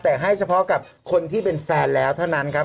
แต่ให้เฉพาะกับคนที่เป็นแฟนแล้วเท่านั้นครับ